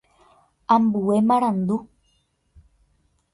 Ambue marandu.